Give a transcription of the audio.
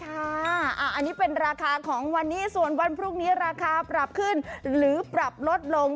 อันนี้เป็นราคาของวันนี้ส่วนวันพรุ่งนี้ราคาปรับขึ้นหรือปรับลดลง